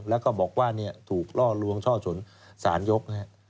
แล้วก็บอกว่าถูกล่อลวงช่อชนสารยก